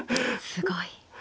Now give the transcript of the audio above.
すごい。